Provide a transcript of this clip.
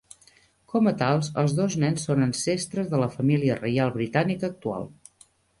Com a tals, els dos nens són ancestres de la família reial britànica actual.